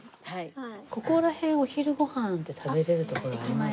ここら辺お昼ご飯って食べれる所ありますかね？